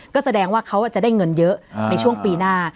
ก็แสดงว่าเขาจะได้เงินเยอะในช่วงปีหน้า